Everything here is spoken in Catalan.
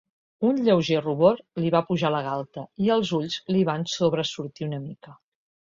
Un lleuger rubor li va pujar a la galta i els ulls li van sobresortir una mica.